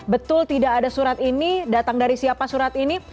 betul tidak ada surat ini datang dari siapa surat ini